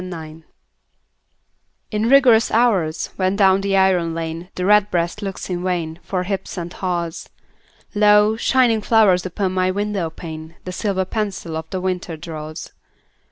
XVII—WINTER In rigorous hours, when down the iron lane The redbreast looks in vain For hips and haws, Lo, shining flowers upon my window pane The silver pencil of the winter draws.